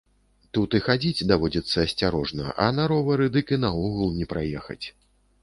Тут і хадзіць даводзіцца асцярожна, а на ровары, дык і наогул не праехаць.